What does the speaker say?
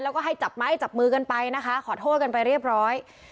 แล้วก็ให้จับไม้จับมือกันไปนะคะขอโทษกันไปเรียบร้อย